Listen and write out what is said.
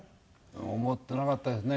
思ってなかったですね。